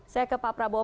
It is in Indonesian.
saya ke pak prabowo